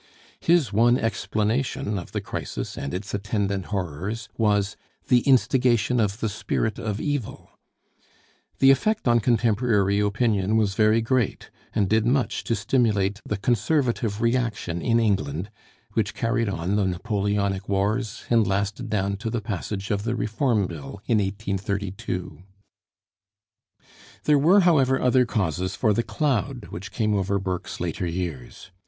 His one explanation of the crisis and its attendant horrors was the instigation of the spirit of evil. The effect on contemporary opinion was very great, and did much to stimulate the conservative reaction in England which carried on the Napoleonic wars and lasted down to the passage of the Reform Bill in 1832. There were, however, other causes for the cloud which came over Burke's later years.